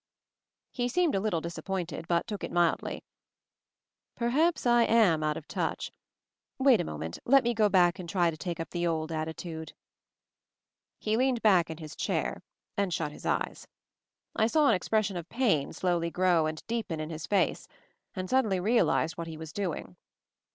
He seemed a little disappointed, but took it mildly. "Perhaps I am a little out of touch. Wait a moment — let me go back and try to take up the old attitude." He leaned badk in his chair and shut his 2U MOVING THE MOUNTAIN eyes, I saw an expression of pain slowly grow and deepen on his fa*e; and suddenly realized what he was doing.